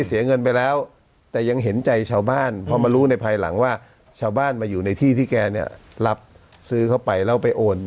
เสียเงินไปแล้วแต่ยังเห็นใจชาวบ้านพอมารู้ในภายหลังว่าชาวบ้านมาอยู่ในที่ที่แกเนี่ยรับซื้อเข้าไปแล้วไปโอน